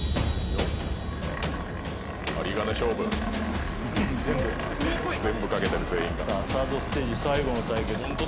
有り金勝負全部かけてる全員がサードステージ最後の対決